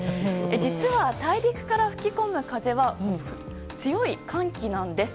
実は、大陸から吹き込む風は強い寒気なんです。